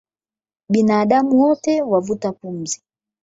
Binadamu wote wavuta pumzi